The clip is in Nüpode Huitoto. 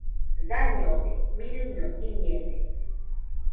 Dañode, mirɨño iñede.